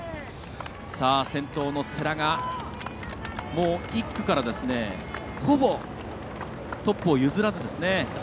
先頭の世羅が、もう１区からほぼトップを譲らず。